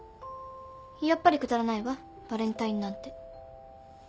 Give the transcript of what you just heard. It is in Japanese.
やっぱりくだらないわバレンタインなんて